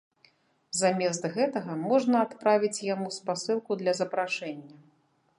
Замест гэтага можна адправіць яму спасылку для запрашэння.